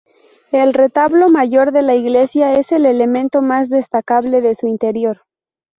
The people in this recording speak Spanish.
El retablo mayor de la iglesia es el elemento más destacable de su interior.